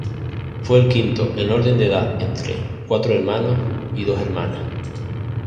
Fue el quinto, en orden de edad, entre cuatro hermanos y dos hermanas.